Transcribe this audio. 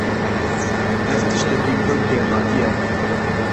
Ev tiştekî pir kêrhatî ye.